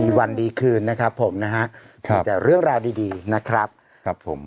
มีวันดีคืนนะครับผมนะฮะมีแต่เรื่องราวดีดีนะครับครับผม